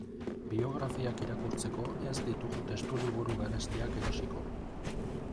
Biografiak irakurtzeko ez ditugu testuliburu garestiak erosiko.